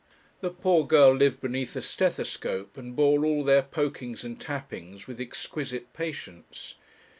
The poor girl lived beneath a stethoscope, and bore all their pokings and tappings with exquisite patience.